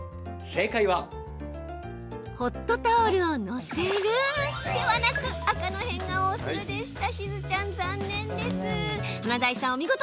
ホットタオルを載せるではなく赤の変顔をするでした。